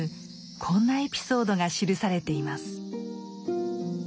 こんなエピソードが記されています。